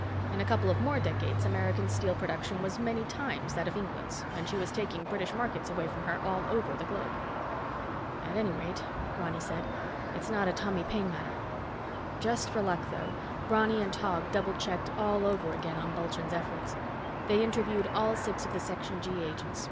In a couple of more decades American steel production was many times that of England's and she was taking British markets away from her all over the globe." "At any rate," Ronny said, "it's not a Tommy Paine matter." Just for luck, though, Ronny and Tog double checked all over again on Bulchand's efforts. They interviewed all six of the Section G agents.